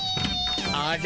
あれ？